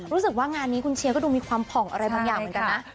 รู้สึกว่างานนี้คุณเชียร์ก็ดูมีความผ่องอะไรบางอย่างเหมือนกันนะ